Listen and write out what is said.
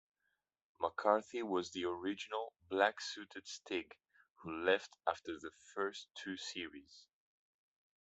McCarthy was the original, black-suited Stig, who left after the first two series.